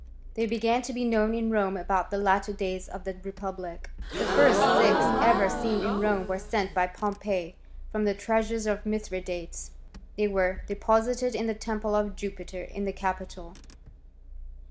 They began to be known in Rome about the latter days of the republic* The first six ever seen in Rome were sent by Pompey from the treasures of Mithridates. They were depo* sited in the temple of Jupiter in the capitol.